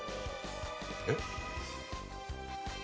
えっ？